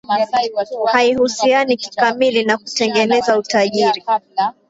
Haihusiani kikamili na kutengeneza utajiri